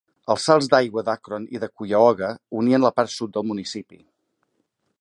Els salts d'aigua d'Akron i de Cuyahoga unien la part sud del municipi.